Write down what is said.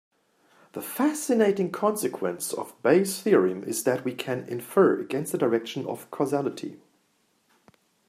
The fascinating consequence of Bayes' theorem is that we can infer against the direction of causality.